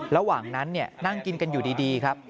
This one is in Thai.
ระหว่างนั้นนั่งกินกันอยู่ดีครับ